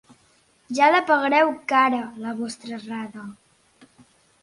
Ja la pagareu cara, la vostra errada.